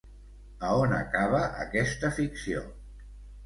A on acaba aquesta ficció?